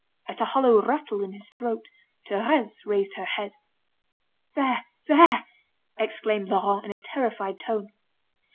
At a hollow rattle in his throat, Thérèse raised her head. "There, there!" exclaimed Laurent in a terrified tone.